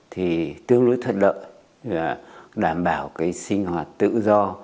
thì tương đối thật lợi đảm bảo sinh hoạt tự do